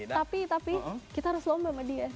tapi tapi kita harus lomba sama dia